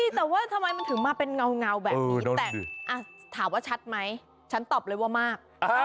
แต่ว่าทำไมมันถึงมาเป็นเงาแบบนี้แต่ถามว่าชัดไหมฉันตอบเลยว่ามาก